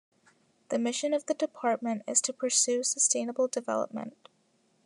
The mission of the department is to pursue sustainable development.